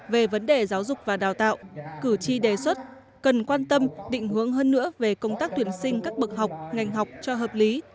về vấn đề giáo dục và đào tạo cử tri đề xuất cần quan tâm định hướng hơn nữa về công tác tuyển sinh các bậc học ngành học cho hợp lý